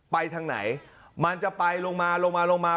ไปทางไหนมันจะไปลงมา